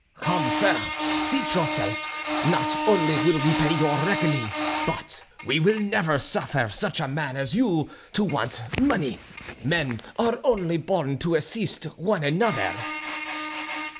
"Come, sir, seat yourself; not only will we pay your reckoning, but we will never suffer such a man as you to want money; men are only born to assist one another."